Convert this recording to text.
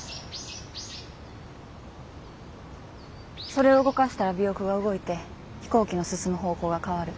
それを動かしたら尾翼が動いて飛行機の進む方向が変わる。